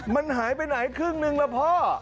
มันหายไปไหนครึ่งนึงล่ะพ่อ